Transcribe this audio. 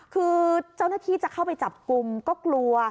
คือเจ้าหน้าที่จะเข้าไปจับกลุ่มก็กลัว